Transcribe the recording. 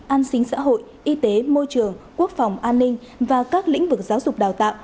an sinh xã hội y tế môi trường quốc phòng an ninh và các lĩnh vực giáo dục đào tạo